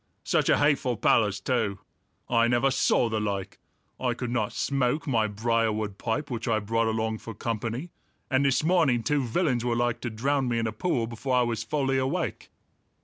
Such a hateful palace too! I never saw the like! I could not smoke my briarwood pipe which I brought along for company, and this morning two villains were like to drown me in a pool before I was fully awake."